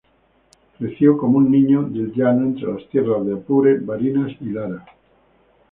Creció como un niño del llano, entre las tierras de Apure, Barinas y Lara.